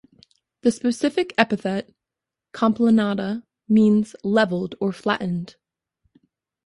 The specific epithet ("complanata") means "levelled" or "flattened".